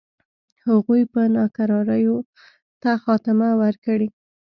هغوی به ناکراریو ته خاتمه ورکړي.